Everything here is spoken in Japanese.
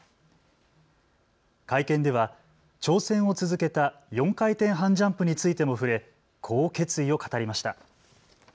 会見では挑戦を続けた４回転半ジャンプについても触れこう決意を語りました。